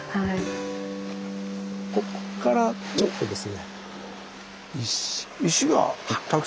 ここからちょっとですね。おっ。